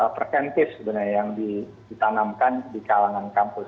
preventif sebenarnya yang ditanamkan di kalangan kampus